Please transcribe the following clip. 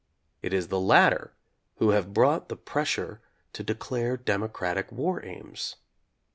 It is the latter who have brought the pressure to declare democratic war aims.